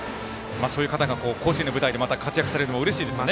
そういった方が甲子園の舞台で活躍されるのうれしいですよね。